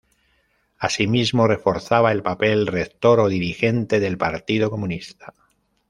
Asimismo, "reforzaba" el papel rector o dirigente del Partido Comunista.